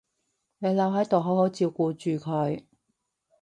你留喺度好好照顧住佢